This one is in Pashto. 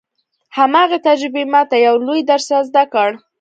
هماغې تجربې ما ته يو لوی درس را زده کړ.